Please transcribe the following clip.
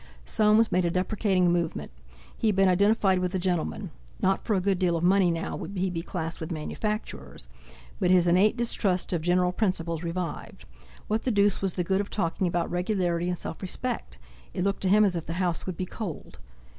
Soames made a deprecating movement; he had been identified with a gentleman; not for a good deal of money now would he be classed with manufacturers. But his innate distrust of general principles revived. What the deuce was the good of talking about regularity and self respect? It looked to him as if the house would be cold.